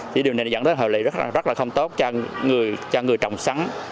thì điều này dẫn tới hợp lý rất là không tốt cho người trồng sắn